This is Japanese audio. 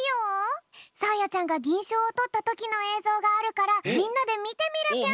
さあやちゃんがぎんしょうをとったときのえいぞうがあるからみんなでみてみるぴょん。